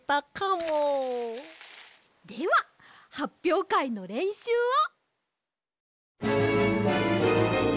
でははっぴょうかいのれんしゅうを！